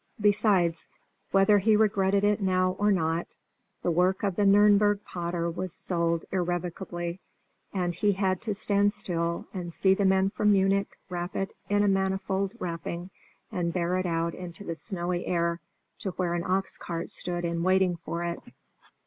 Besides, whether he regretted it now or not, the work of the Nürnberg potter was sold irrevocably, and he had to stand still and see the men from Munich wrap it in manifold wrappings and bear it out into the snowy air to where an ox cart stood in waiting for it.